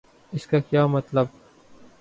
اس کا کیا مطلب؟